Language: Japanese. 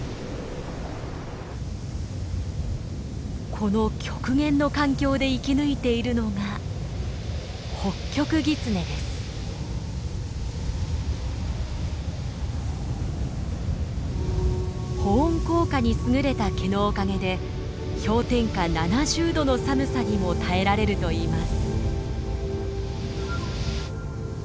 この極限の環境で生き抜いているのが保温効果に優れた毛のおかげで氷点下７０度の寒さにも耐えられるといいます。